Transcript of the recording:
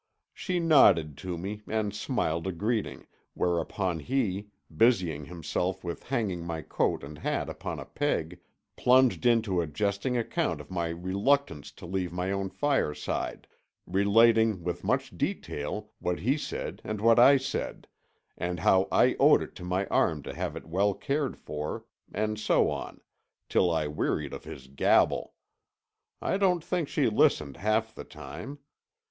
She nodded to me and smiled a greeting, whereupon he, busying himself with hanging my coat and hat upon a peg, plunged into a jesting account of my reluctance to leave my own fireside, relating with much detail what he said and what I said, and how I owed it to my arm to have it well cared for, and so on—till I wearied of his gabble. I don't think she listened half the time.